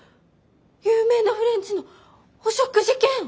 有名なフレンチのお食事券！